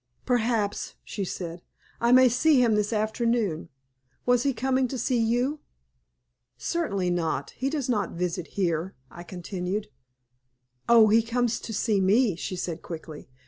"Perhaps," she said, "I may see him this afternoon. Was he coming to see you?" "Certainly not. He does not visit here," I continued. "Oh, he comes to see me," she said, quickly.